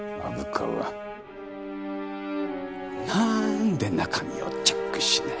なんで中身をチェックしない？